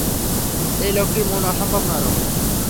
এই লোকটির মন অসম্ভব নরম।